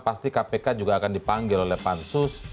pasti kpk juga akan dipanggil oleh pansus